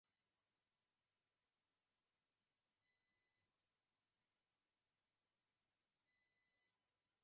Hace las formativas con el club Liga Deportiva Universitaria de Portoviejo.